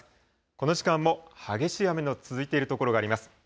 この時間も激しい雨の続いている所があります。